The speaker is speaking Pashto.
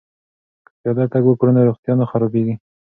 که پیاده تګ وکړو نو روغتیا نه خرابیږي.